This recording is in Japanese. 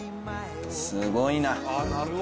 すごいな。